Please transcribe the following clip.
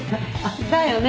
だよね。